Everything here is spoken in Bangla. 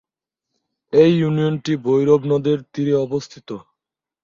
এই ইউনিয়ন টি ভৈরব নদের তীরে অবস্থিত।